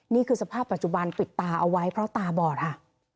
นี่คือสภาพปัจจุบันปิดตาเอาไว้เพราะตาบอดค่ะ